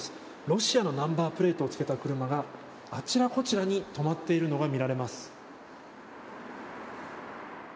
ロシアのナンバープレートを付けた車があちらこちらに止まっているのが見られます。